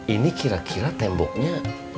ini kira kira temboknya